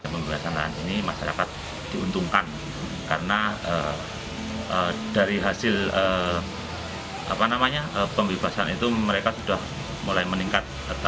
pembebasan lahan ini masyarakat diuntungkan karena dari hasil pembebasan itu mereka sudah mulai meningkat